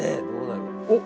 おっ！